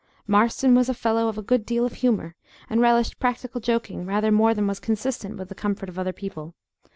Marston was a fellow of a good deal of humour, and relished practical joking rather more than was consistent with the comfort of other people.